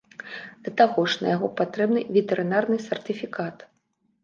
Да таго ж, на яго патрэбны ветэрынарны сертыфікат.